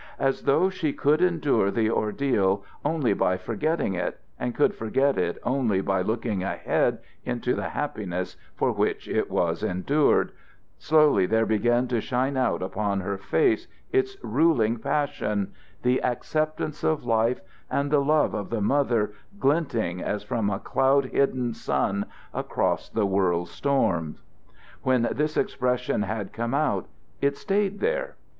As though she could endure the ordeal only by forgetting it and could forget it only by looking ahead into the happiness for which it was endured, slowly there began to shine out upon her face its ruling passion the acceptance of life and the love of the mother glinting as from a cloud hidden sun across the world's storm. When this expression had come out, it stayed there.